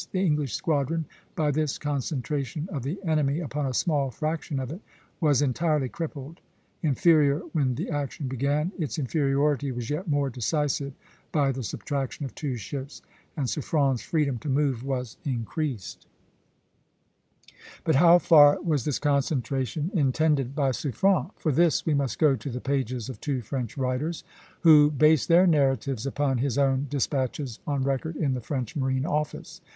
The English squadron, by this concentration of the enemy upon a small fraction of it, was entirely crippled. Inferior when the action began, its inferiority was yet more decisive by the subtraction of two ships, and Suffren's freedom to move was increased. [Illustration: Pl. XV. SUFFREN & HUGHES. APRIL 12, 1782.] But how far was this concentration intended by Suffren? For this we must go to the pages of two French writers, who base their narratives upon his own despatches on record in the French Marine Office.